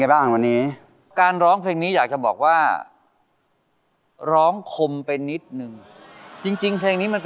นะครับมาฟังที่ความเห็นของพี่แซนี้บ้างค่ะ